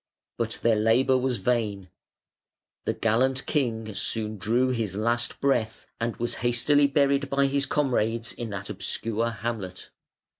But their labour was vain; the gallant king soon drew his last breath and was hastily buried by his comrades in that obscure hamlet.